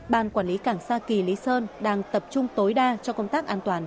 ban quản lý cảng sa kỳ lý sơn đang tập trung tối đa cho công tác an toàn